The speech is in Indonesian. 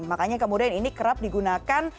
makanya kemudian ini kerap digunakan